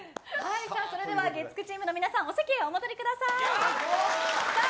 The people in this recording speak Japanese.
それでは月９チームの皆さんお席にお戻りください。